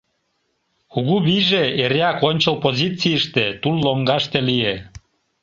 Кугу вийже эреак ончыл позицийыште, тул лоҥгаште лие.